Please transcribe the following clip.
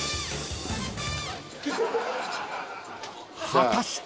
［果たして］